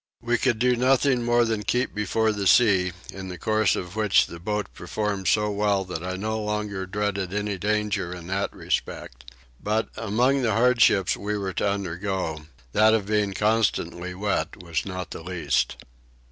We could do nothing more than keep before the sea, in the course of which the boat performed so well that I no longer dreaded any danger in that respect. But, among the hardships we were to undergo, that of being constantly wet was not the least.